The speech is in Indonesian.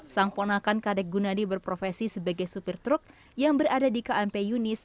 sang ponakan kadek gunadi berprofesi sebagai supir truk yang berada di kmp yunis